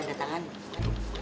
sudi aja tangga tangan